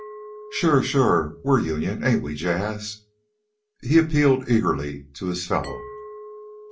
"Shore! Shore! We's Union, ain't we, Jas'?" he appealed eagerly to his fellow.